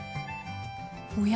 おや？